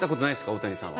大谷さんは。